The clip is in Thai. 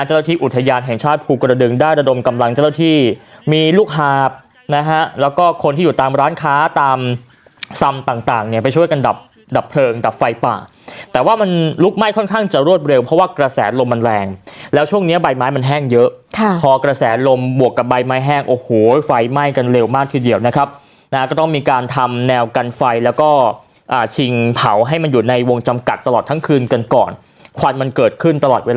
เจ้าที่อุทยานแห่งชาติภูกระดึงได้ระดมกำลังเจ้าที่มีลูกหาบนะฮะแล้วก็คนที่อยู่ตามร้านค้าตามซำต่างต่างเนี้ยไปช่วยกันดับดับเพลิงดับไฟป่าแต่ว่ามันลุกไหม้ค่อนข้างจะรวดเร็วเพราะว่ากระแสลมมันแรงแล้วช่วงเนี้ยใบไม้มันแห้งเยอะค่ะพอกระแสลมบวกกับใบไม้แห้งโอ้โหไฟไหม้กันเร